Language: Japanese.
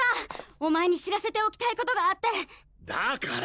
お前に知らせておきたいことがあってだから！